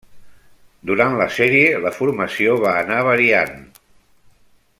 Durant la sèrie la formació va anar variant.